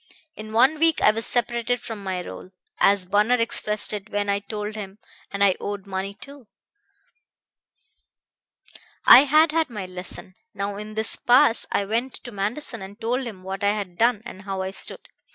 In one week I was separated from my roll, as Bunner expressed it when I told him; and I owed money, too. I had had my lesson. Now in this pass I went to Manderson and told him what I had done and how I stood.